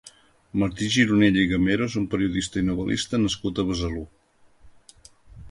Martí Gironell i Gamero és un periodista i novel·lista nascut a Besalú.